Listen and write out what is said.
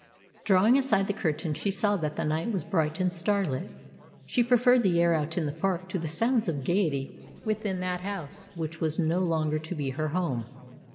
Drawing aside the curtain, she saw that the night was bright and starlit. She preferred the air out in the park to the sounds of gaiety within that house which was no longer to be her home.